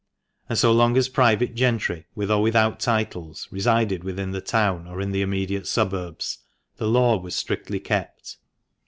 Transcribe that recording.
And so long as private gentry, with or without titles, resided within the town or in the immediate suburbs, the law was strictly kept.